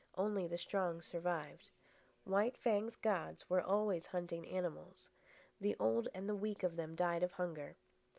Only the strong survived. White Fang's gods were always hunting animals. The old and the weak of them died of hunger.